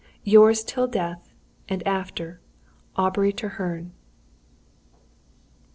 "Yours till death and after, "AUBREY TREHERNE."